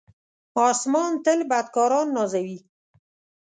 آسمان تل بدکاران نازوي.